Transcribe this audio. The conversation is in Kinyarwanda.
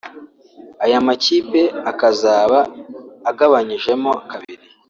Aya makipe akazaba agabanyijemo kabiri